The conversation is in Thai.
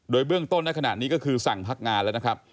โดยเบื้องต้นในขณะนี้ก็คือสั่งพักงานแล้วนะครับ